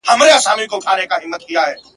خلک د دې د قهرمانۍ ستاینه کوي.